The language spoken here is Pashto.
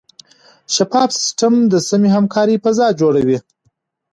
شفاف سیستم د سمې همکارۍ فضا جوړوي.